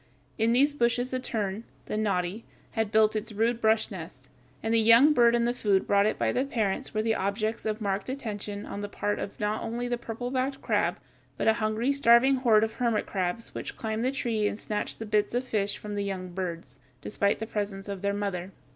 In these bushes a tern, the noddy, had built its rude brush nest, and the young bird and the food brought it by the parents were the objects of marked attention on the part of not only the purple backed crab but a hungry, starving horde of hermit crabs which climbed the tree and snatched the bits of fish from the young birds, despite the presence of their mother.